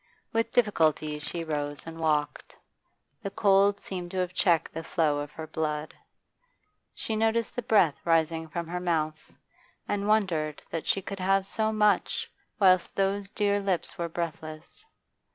With difficulty she rose and walked; the cold seemed to have checked the flow of her blood; she noticed the breath rising from her mouth, and wondered that she could have so much whilst those dear lips were breathless.